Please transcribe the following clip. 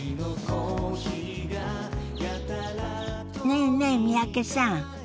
ねえねえ三宅さん。